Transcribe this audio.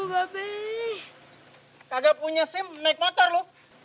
lu kabur kemana nih lu